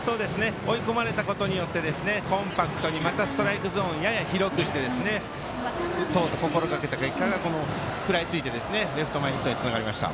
追い込まれたことによりコンパクトにまたストライクゾーンやや広くしてうとうと心がけた結果が食らいついてレフト前ヒットにつながりました。